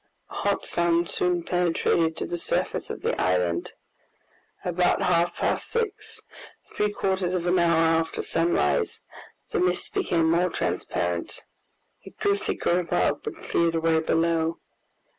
A hot sun soon penetrated to the surface of the island. About half past six, three quarters of an hour after sunrise, the mist became more transparent. It grew thicker above, but cleared away below.